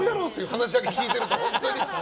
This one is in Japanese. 話だけ聞いてると、本当に。